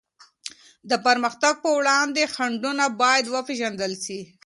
د پرمختګ په وړاندي خنډونه بايد وپېژندل سي.